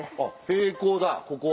平行だここは。